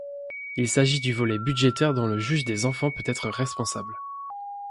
Il s'agit du volet budgétaire dont le juge des enfants peut être responsable.